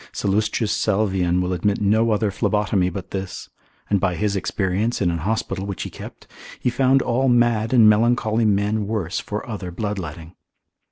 Sallust. Salvian will admit no other phlebotomy but this; and by his experience in an hospital which he kept, he found all mad and melancholy men worse for other bloodletting.